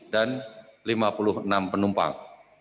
dan lima puluh enam penumpang